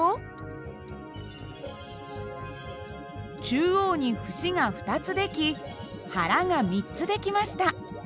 中央に節が２つ出来腹が３つ出来ました。